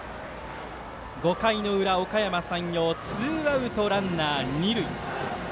５回の裏、おかやま山陽ツーアウト、ランナー、二塁。